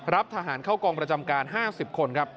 รับทหารเข้ากองประจำการ๕๐คนครับ